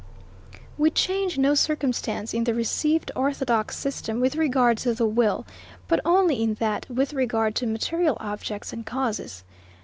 We change no circumstance in the received orthodox system with regard to the will, but only in that with regard to material objects and causes.